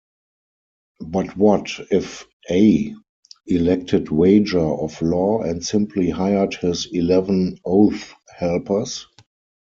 But what if A elected wager of law and simply hired his eleven oath-helpers?